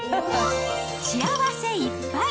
幸せいっぱい！